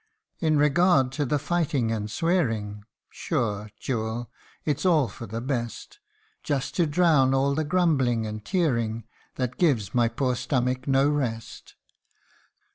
In regard to the fighting and swearing, Sure, jewel, it's all for the best ; Just to drown all the grumbling and tearing, That gives my poor stomach no rest.